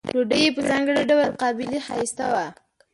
ډوډۍ یې په ځانګړي ډول قابلي ښایسته وه.